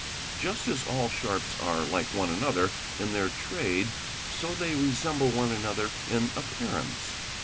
Just as all sharps are like one another in their trade so they resemble 822 CHEATING AND FRAUD one another in appearance.